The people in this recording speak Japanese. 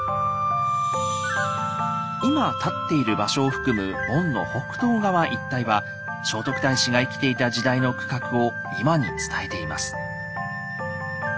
今立っている場所を含む門の北東側一帯は聖徳太子が生きていた時代の区画を今に伝えています。